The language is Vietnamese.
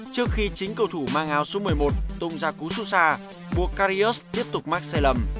trước khi chính cầu thủ mang hào số một mươi một tung ra cú xua xa buộc karius tiếp tục mắc sai lầm